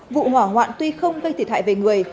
vụ hỏa hoạn tuy không gây thiệt hại về người